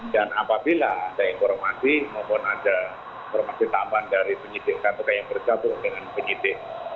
dan apabila ada informasi maupun ada informasi tambahan dari penyidik atau yang bergabung dengan penyidik